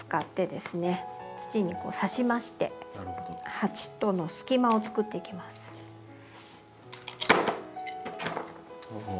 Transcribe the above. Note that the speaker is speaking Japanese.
土にさしまして鉢との隙間をつくっていきます。